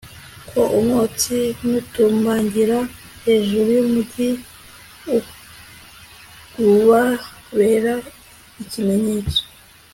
ko umwotsi nutumbagira hejuru y'umugi, ubabera ikimenyetso